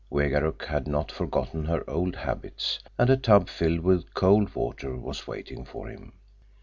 Wegaruk had not forgotten her old habits, and a tub filled with cold water was waiting for him.